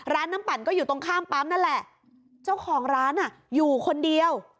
ร้านน้ำปั่นก็อยู่ตรงข้ามปั๊มนั่นแหละเจ้าของร้านอ่ะอยู่คนเดียว